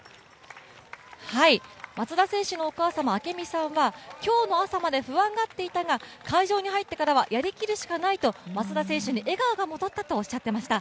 松田選手のお母様、明美さんは今日の朝まで不安がっていたが会場に入ってからはやりきるしかないと松田選手に笑顔が戻ったとおっしゃっていました。